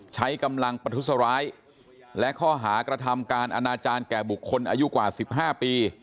ใช้กำลังประทุษร้ายและข้อหากระทำการอนาจารย์แก่บุคคลอายุกว่า๑๕ปี